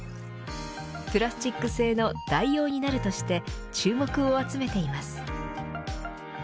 プラスチック製の代用になるとして注目を集めています。